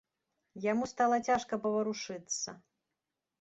Яму стала цяжка паварушыцца.